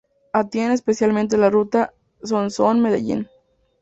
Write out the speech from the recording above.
Atienden especialmente la ruta Sonsón-Medellín.